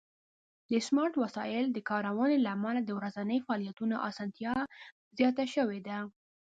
د سمارټ وسایلو د کارونې له امله د ورځني فعالیتونو آسانتیا زیاته شوې ده.